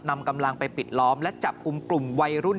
นำกำลังไปปิดล้อมและจับกลุ่มกลุ่มวัยรุ่น